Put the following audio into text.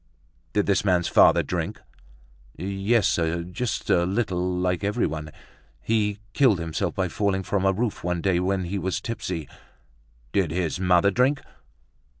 "Did this man's father drink?" "Yes, sir; just a little like everyone. He killed himself by falling from a roof one day when he was tipsy." "Did his mother drink?"